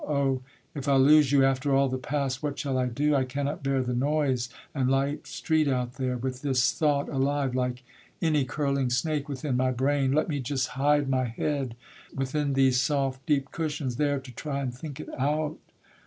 O, if I lose you after all the past, What shall I do? I cannot bear the noise And light street out there, with this thought alive, Like any curling snake within my brain; Let me just hide my head within these soft Deep cushions, there to try and think it out.